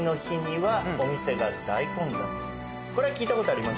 これ聞いたことあります？